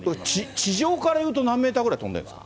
地上からいうと何メーターぐらい跳んでんですか？